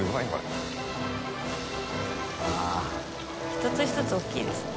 １つ１つ大きいですね。